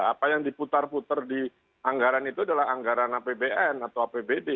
apa yang diputar putar di anggaran itu adalah anggaran apbn atau apbd